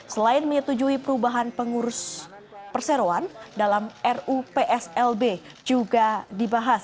selain menyetujui perubahan pengurus perseroan dalam rupslb juga dibahas